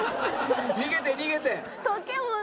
逃げて逃げて！